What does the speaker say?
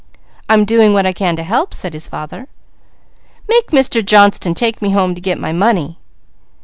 "I am doing what I can to help," said his father. "Make Johnston take me home to get my money."